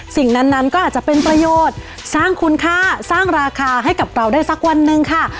สิ่งนั้นก็อาจจะเป็นประโยชน์สร้างคุณค่าสร้างราคาให้กับเราได้สักวันหนึ่งค่ะ